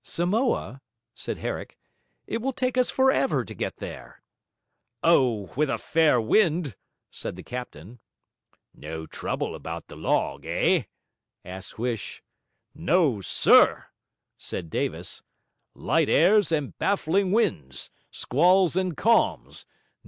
'Samoa?' said Herrick. 'It will take us for ever to get there.' 'Oh, with a fair wind!' said the captain. 'No trouble about the log, eh?' asked Huish. 'No, SIR,' said Davis. 'Light airs and baffling winds. Squalls and calms.